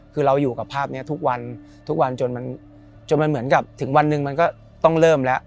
คือเราอยู่กับภาพนี้ทุกวันทุกวันจนมันจนมันเหมือนกับถึงวันหนึ่งมันก็ต้องเริ่มแล้ว